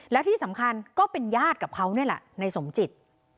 แล้วที่สำคัญก็เป็นญาติกับเขานี่แหละในสมจิต